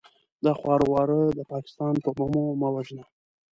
دا خواره واره د پاکستان په بمو مه وژنه!